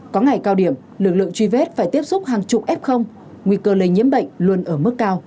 có ngày cao điểm lực lượng truy vết phải tiếp xúc hàng chục f nguy cơ lây nhiễm bệnh luôn ở mức cao